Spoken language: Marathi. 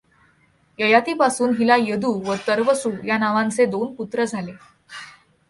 ययातीपासून हिला यदु व तुर्वसु या नावांचे दोन पुत्र झाले.